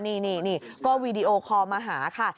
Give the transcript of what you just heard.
นี่ก็วีดีโอคอลมาหาค่ะ